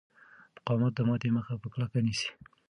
مقاومت د ماتې مخه په کلکه نیسي.